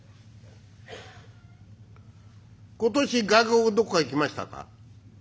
「今年外国どこか行きましたか？」。